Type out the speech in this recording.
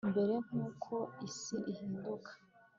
imbere nkuko isi ihinduka